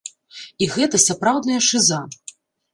І гэта сапраўдная шыза.